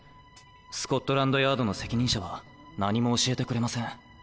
スコットランドヤードの責任者は何も教えてくれません。